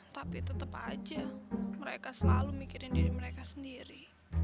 tapi tetap aja mereka selalu mikirin diri mereka sendiri